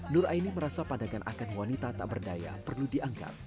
nur aini merasa pandangan akan wanita tak berdaya perlu diangkat